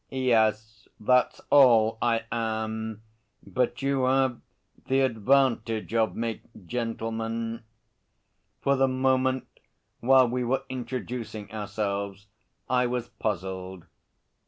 'Yes, that's all I am. But you have the advantage of me, gentlemen.' For the moment, while we were introducing ourselves, I was puzzled.